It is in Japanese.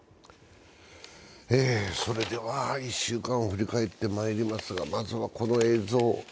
それでは１週間を振り返ってまいりますがまずはこの映像。